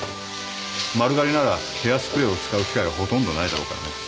丸刈りならヘアスプレーを使う機会はほとんどないだろうからね。